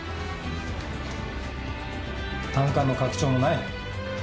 胆管の拡張もない。